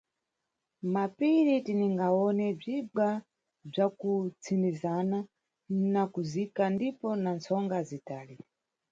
Mmapiri tiningawone bzigwa bzakupsindizana nakuzika ndipo na mtsonga zitali.